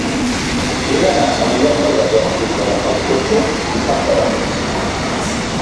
He d'anar a Mollet del Vallès sense agafar el cotxe dissabte a les tres.